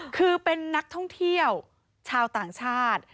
คือเป็นนักท่องเที่ยวชาวต่างชาติ